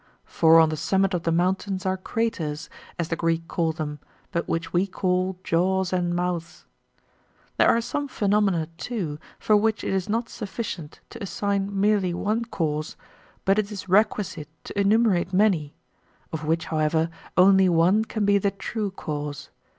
For on the summit of the mountain are craters, as the Greek call them, but which we call jaws and mouths. There are some phaenomena, too, for which it is not suf ficient to assign merely one cause, but it is requisite to enumerate many : of which, however, one only can be the true cause.